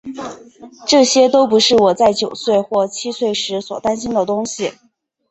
这些都不是我在九岁或七岁时所担心的东西。